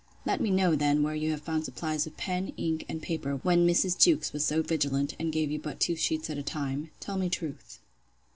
—Let me know then, where you have found supplies of pen, ink, and paper, when Mrs. Jewkes was so vigilant, and gave you but two sheets at a time?—Tell me truth.